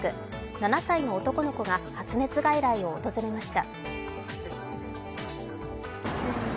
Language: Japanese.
７歳の男の子が発熱外来を訪れました。